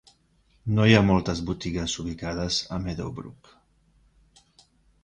No hi ha moltes botigues ubicades a Meadowbrook.